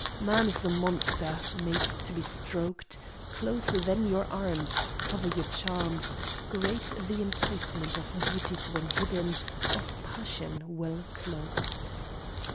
Man is a monster Made to be stroked, Close then your arms Cover your charms; Great the enticement Of beauties when hidden, Of passion well cloaked.